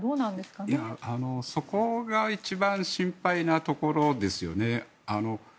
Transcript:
そこが一番心配なところですよね。